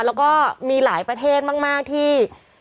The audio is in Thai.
แล้วก็มีหลายประเทศมากที่